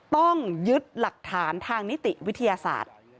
ต้องยึดหลักฐานทางนิติวิทยาศาสตร์